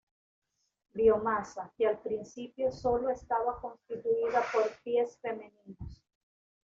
Biomasa, que, al principio, sólo estaba constituida por pies femeninos.